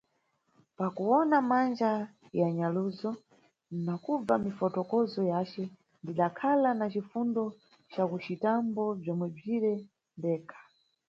Pa kuwona manja ya nyaluso na kubva mifotokozo yace ndidakhala na cifundo ca kucitambo bzomwebzire ndekha.